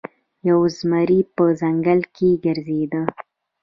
یو زمری په ځنګل کې ګرځیده.